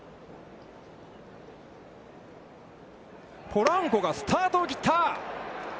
ポランコがスタートを切った。